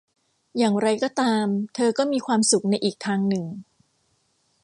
อย่างไรก็ตามเธอก็มีความสุขในอีกทางหนึ่ง